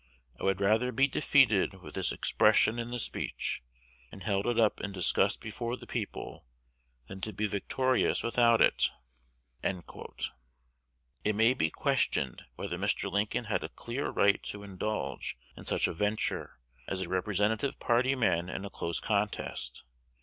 I would rather be defeated with this expression in the speech, and it held up and discussed before the people, than to be victorious without it." It may be questioned whether Mr. Lincoln had a clear right to indulge in such a venture, as a representative party man in a close contest.